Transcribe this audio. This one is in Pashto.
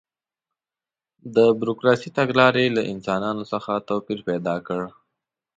د بروکراسي تګلارې له انسانانو څخه توپیر پیدا کړ.